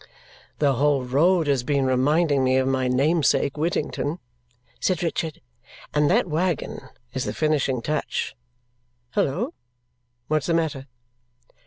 "The whole road has been reminding me of my namesake Whittington," said Richard, "and that waggon is the finishing touch. Halloa! What's the matter?"